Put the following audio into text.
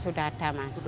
sudah ada ya